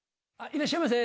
いらっしゃいませ。